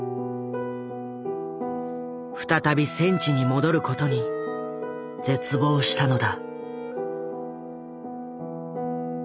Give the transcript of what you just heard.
再び戦地に戻ることに絶望したのだ。